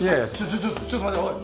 ちょっとちょっと待ておい。